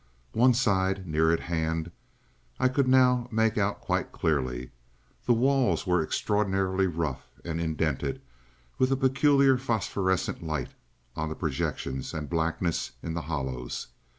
One side, near at hand, I could now make out quite clearly. The walls were extraordinarily rough and indented, with a peculiar phosphorescent light on the projections and blackness in the hollows.